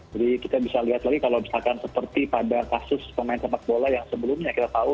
jadi kita bisa lihat lagi kalau misalkan seperti pada kasus pemain tempat bola yang sebelumnya kita tahu